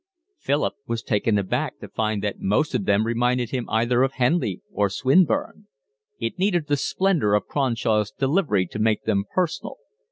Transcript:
Philip was taken aback to find that most of them reminded him either of Henley or of Swinburne. It needed the splendour of Cronshaw's delivery to make them personal.